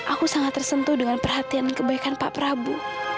aku sangat tersentuh dengan perhatian kebaikan pak prabu